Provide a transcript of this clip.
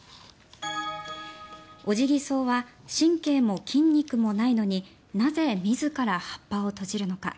オジギソウは神経も筋肉もないのになぜ、自ら葉っぱを閉じるのか。